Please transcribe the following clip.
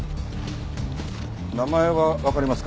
名前はわかりますか？